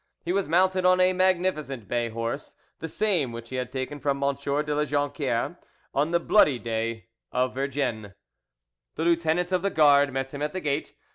He was mounted on a magnificent bay horse, the same which he had taken from M. de La Jonquiere on the bloody day of Vergenne. The lieutenant of the guard met him at the gate.